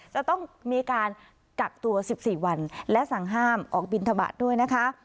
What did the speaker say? จะต้องมีการกักตัว๑๔วันและสั่งห้ามออกบินทบาทด้วยนะคะ